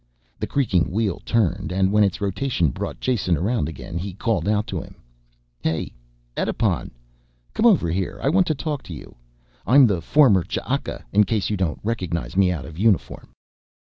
The creaking wheel turned and when its rotation brought Jason around again he called out to him. "Hey, Edipon, come over here. I want to talk to you. I'm the former Ch'aka, in case you don't recognize me out of uniform."